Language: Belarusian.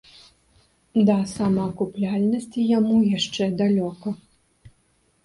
Да самаакупляльнасці яму яшчэ далёка.